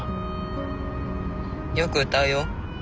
よく歌うよ。